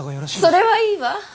それはいいわ。